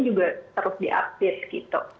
juga terus diupdate gitu